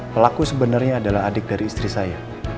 pelaku sebenarnya adalah adik dari istri saya